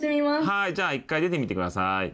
はーい。じゃあ一回出てみてください。